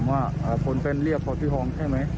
ผมถามว่าคนเป็นเรียกพ่อพี่ฮองใช่ไหม